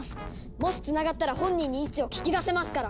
もしつながったら本人に位置を聞き出せますから。